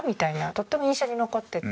とっても印象に残ってて。